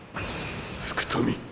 福富！